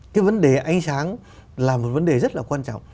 cái vấn đề ánh sáng là một vấn đề rất là quan trọng